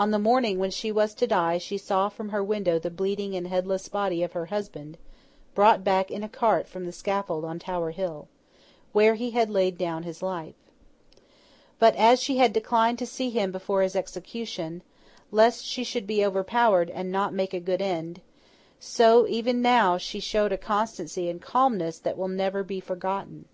On the morning when she was to die, she saw from her window the bleeding and headless body of her husband brought back in a cart from the scaffold on Tower Hill where he had laid down his life. But, as she had declined to see him before his execution, lest she should be overpowered and not make a good end, so, she even now showed a constancy and calmness that will never be forgotten.